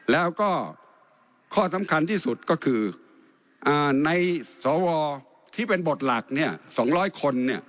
แล้วก็ข้อสำคัญที่สุดก็คือในสวที่เป็นบทหลัก๒๐๐คน